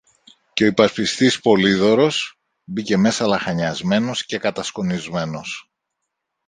και ο υπασπιστής Πολύδωρος μπήκε μέσα λαχανιασμένος και κατασκονισμένος.